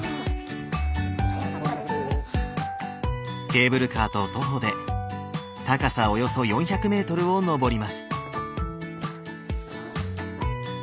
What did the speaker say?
ケーブルカーと徒歩で高さおよそ４００メートルを登ります。